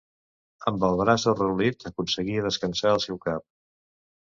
Amb el braç arraulit, aconseguia descansar el seu cap.